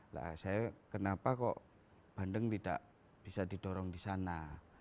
lah saya kenapa kok bandeng tidak bisa didorong di sana